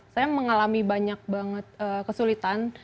saya mengalami banyak banget kesulitan